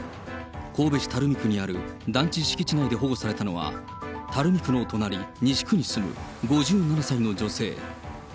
神戸市垂水区にある団地敷地内で保護されたのは、垂水区の隣、西区に住む５７歳の女性。